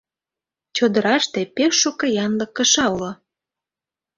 Чодыраште пеш шуко янлык кыша уло.